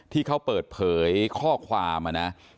ที่เขาเปิดเผยข้อความนะ